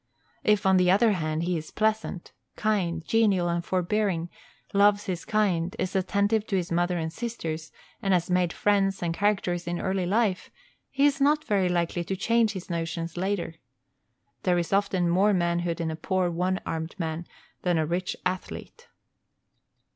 If, on the other hand, he is pleasant, kind, genial, and forbearing, loves his kind, is attentive to his mother and sisters, and has made friends and character in early life, he is not very likely to change his notions later. There is often more manhood in a poor one armed man than a rich athlete.